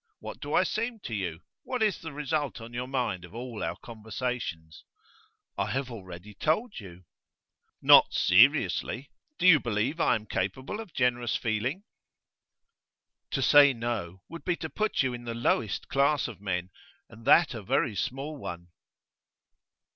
What do I seem to you? What is the result on your mind of all our conversations?' 'I have already told you.' 'Not seriously. Do you believe I am capable of generous feeling?' 'To say no, would be to put you in the lowest class of men, and that a very small one.